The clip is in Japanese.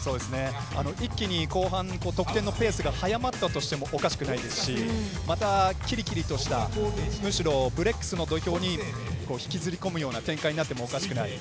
一気に後半得点のペースが早まってもおかしくないですしまた、キリキリしたむしろブレックスの土俵に引きずり込むような展開になってもおかしくない。